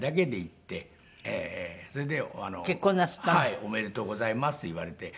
「おめでとうございます」って言われて。